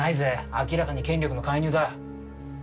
明らかに権力の介入だ。